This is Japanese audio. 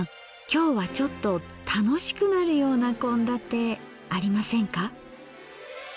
今日はちょっと楽しくなるような献立ありませんか？